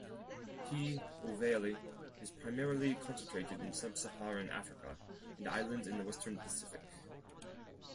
"P. ovale" is primarily concentrated in sub-Saharan Africa and islands in the western Pacific.